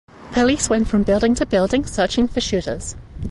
Police went from building to building searching for shooters.